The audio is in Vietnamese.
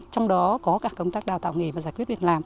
trong đó có cả công tác đào tạo nghề và giải quyết việc làm